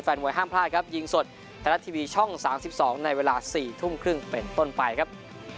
มวยห้ามพลาดครับยิงสดไทยรัฐทีวีช่อง๓๒ในเวลา๔ทุ่มครึ่งเป็นต้นไปครับ